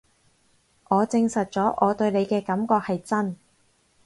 我證實咗我對你嘅感覺係真